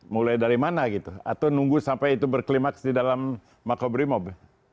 mulai dari mana gitu atau nunggu sampai itu berklimaks di dalam mako beri mob